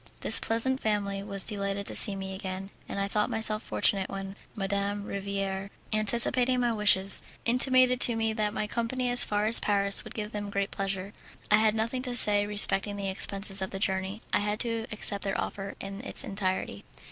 This pleasant family was delighted to see me again, and I thought myself fortunate when Madame Riviere, anticipating my wishes, intimated to me that my company as far as Paris would give them great pleasure. I had nothing to say respecting the expenses of the journey. I had to accept their offer in its entirety.